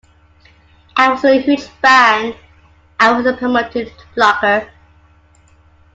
I was a huge fan...I was promoted to plugger.